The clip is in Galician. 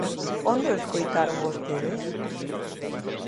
¿Onde o escoitaron vostedes?